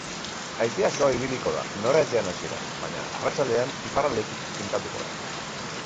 Haizea suabe ibiliko da, noraezean hasieran, baina arratsaldean iparraldetik finkatuko da.